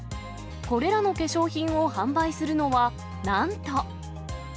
これらの化粧品を販売するのは、なんと。